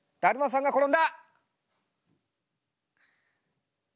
だるまさんが転んだ！